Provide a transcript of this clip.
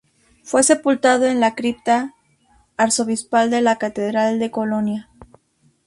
Fue sepultado en la cripta arzobispal de la Catedral de Colonia.